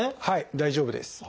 大丈夫です。